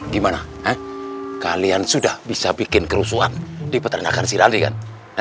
gimana kalian sudah bisa bikin kerusuhan di peternakan sirali kan